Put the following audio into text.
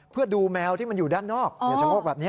เพื่อดูแมวที่มันอยู่ด้านนอกชะโงกแบบนี้